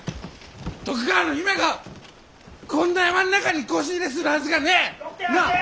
徳川の姫がこんな山ん中にこし入れするはずがねえ！なあ？